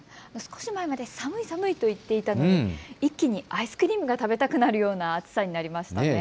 少し前まで寒い寒いと言っていたのに一気にアイスクリームが食べたくなるような暑さになりましたね。